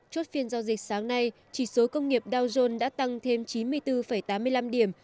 chốt phiên giao dịch sáng nay chỉ số công nghiệp dow jones đã tăng thêm chín mươi bốn tám mươi năm điểm